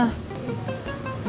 kamu gak mau